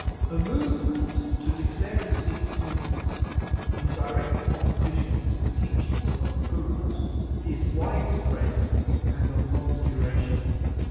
) A movement to declare the Sikhs Hindus, in direct opposition to the teaching of the Gurus, is widespread and of long duration.